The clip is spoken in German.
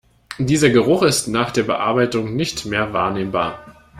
Dieser Geruch ist nach der Bearbeitung nicht mehr wahrnehmbar.